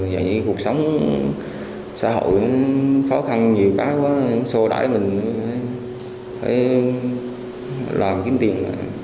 giờ như cuộc sống xã hội khó khăn nhiều quá em xô đáy mình phải làm kiếm tiền